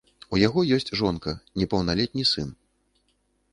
У яго ёсць жонка, непаўналетні сын.